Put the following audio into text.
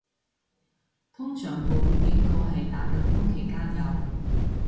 通常暴雨警告係打緊風期間有